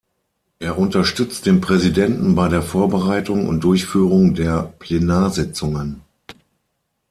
Er unterstützt den Präsidenten bei der Vorbereitung und Durchführung der Plenarsitzungen.